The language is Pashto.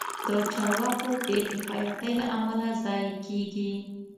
د چارواکو بې کفایتۍ له امله ضایع کېږي.